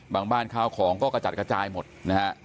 บ้านข้าวของก็กระจัดกระจายหมดนะฮะ